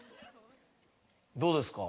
どうですか？